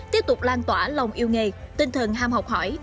tiếp tục lan tỏa lòng yêu nghề tinh thần ham học hỏi